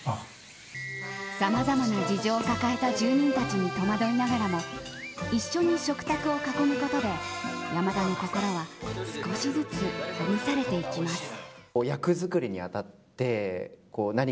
さまざまな事情を抱えた住人たちに戸惑いながらも一緒に食卓を囲むことで山田の心は少しずつほぐされていきます。